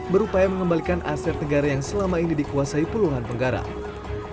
berupaya mengembalikan aset negara yang selama ini dikuasai puluhan penggarap